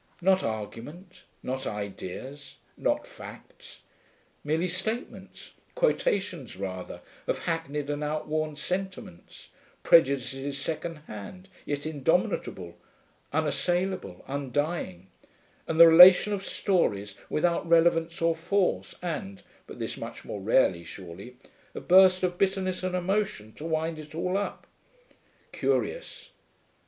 Not argument, not ideas, not facts. Merely statements, quotations rather, of hackneyed and outworn sentiments, prejudices second hand, yet indomitable, unassailable, undying, and the relation of stories, without relevance or force, and (but this much more rarely, surely) a burst of bitterness and emotion to wind it all up. Curious.